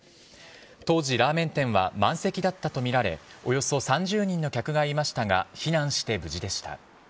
当時、ラーメン店は満席だったと見られ、およそ３０人の客がいましたが、避難して無事でした。